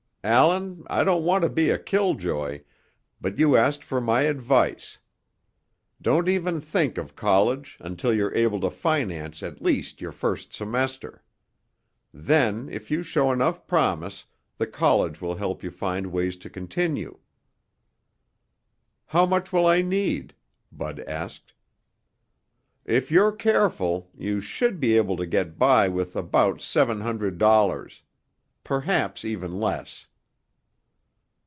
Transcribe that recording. Allan, I don't want to be a killjoy, but you asked for my advice. Don't even think of college until you're able to finance at least your first semester. Then, if you show enough promise, the college will help you find ways to continue." "How much will I need?" Bud asked. "If you're careful, you should be able to get by with about seven hundred dollars. Perhaps even less."